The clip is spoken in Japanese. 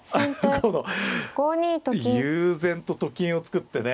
この悠然とと金を作ってね